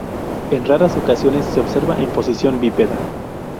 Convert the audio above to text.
En raras ocasiones, se observa en posición bípeda.